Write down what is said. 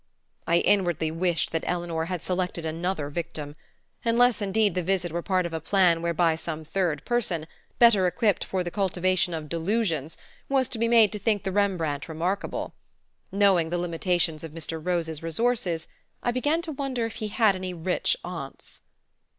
I inwardly wished that Eleanor had selected another victim; unless indeed the visit were part of a plan whereby some third person, better equipped for the cultivation of delusions, was to be made to think the Rembrandt remarkable. Knowing the limitations of Mr. Rose's resources I began to wonder if he had any rich aunts.